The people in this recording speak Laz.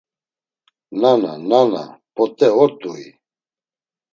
Nana, nana…, p̌ot̆e ort̆ui!